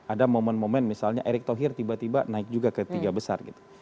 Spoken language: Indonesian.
ada momen momen misalnya erick thohir tiba tiba naik juga ke tiga besar gitu